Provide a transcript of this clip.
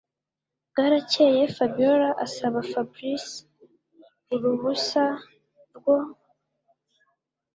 Bwarakeye Fabiora asaba Fabric uruhisa rwo